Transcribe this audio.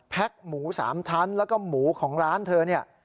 แพ็คหมู๓ชั้นแล้วก็หมูของร้านเธอ